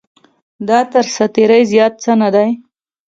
دا تر ساعت تېرۍ زیات څه نه دی.